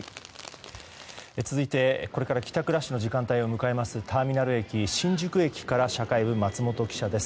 続いて、これから帰宅ラッシュの時間帯を迎えますターミナル駅、新宿駅から社会部、松本記者です。